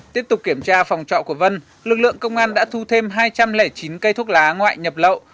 tiếp tục kiểm tra phòng trọ của vân lực lượng công an đã thu thêm hai trăm linh chín cây thuốc lá ngoại nhập lậu